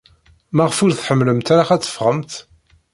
Maɣef ur tḥemmlemt ara ad teffɣemt?